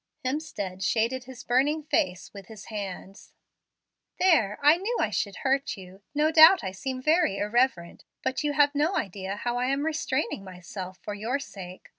Hemstead shaded his burning face with his hands. "There, I knew I should hurt you. No doubt I seem very irreverent, but you have no idea how I am restraining myself for your sake.